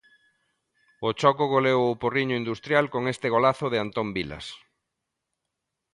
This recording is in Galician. O Choco goleou o Porriño Industrial con este golazo de Antón Vilas.